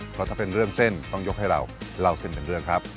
เพราะถ้าเป็นเรื่องเส้นต้องยกให้เราเล่าเส้นเป็นเรื่องครับ